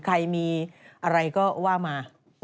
ใครมีอะไรก็ว่ามา